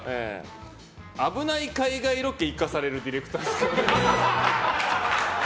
危ない海外ロケ行かされるディレクター。